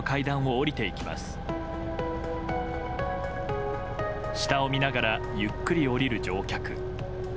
下を見ながらゆっくり下りる乗客。